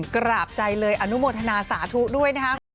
กราบใจเลยอนุโมทนาสาธุด้วยนะครับ